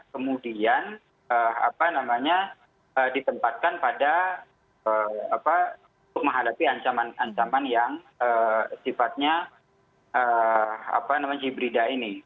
kemudian apa namanya ditempatkan pada apa untuk menghadapi ancaman ancaman yang sifatnya hibrida ini